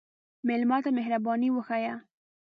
مېلمه ته مهرباني وښیه.